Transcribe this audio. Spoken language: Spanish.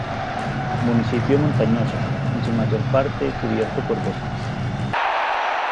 Municipio montañoso en su mayor parte cubierto por bosques.